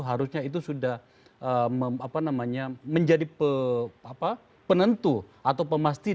harusnya itu sudah menjadi penentu atau pemastitu